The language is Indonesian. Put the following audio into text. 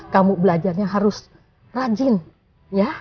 kamu belajarnya harus rajin ya